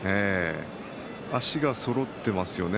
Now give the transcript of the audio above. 足がそろっていますよね